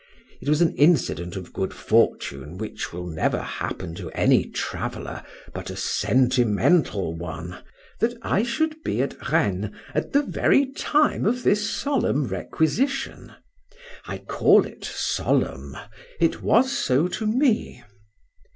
It was an incident of good fortune which will never happen to any traveller but a Sentimental one, that I should be at Rennes at the very time of this solemn requisition: I call it solemn;—it was so to me.